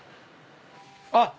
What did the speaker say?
あっ。